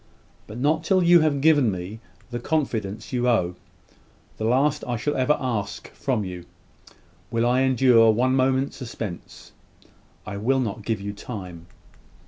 But not till you have given me the confidence you owe the last I shall ever ask from you will I endure one moment's suspense. I will not give you time."